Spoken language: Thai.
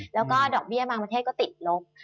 แล้วก็ดอกเบี้ยบางประเทศก็ติดลบ